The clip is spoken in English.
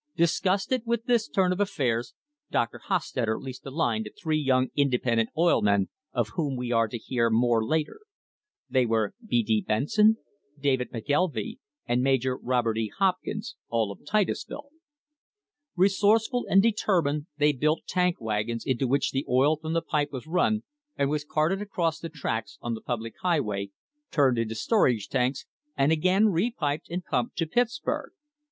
Disgusted with this turn of affairs Dr. Hostetter leased the line to three young independent oil men of whom we are to hear more later. They were B. D. Benson, David McKelvy and Major [ 172] STRENGTHENING THE FOUNDATIONS Robert E. Hopkins, all of Titusville. Resourceful and deter lined they built tank wagons into which the oil from the pipe r as run and was carted across the tracks on the public high way, turned into storage tanks and again repiped and pumped to Pittsburg.